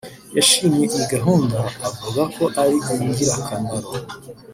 yashimye iyi gahunda avuga ko ari ingirakamaro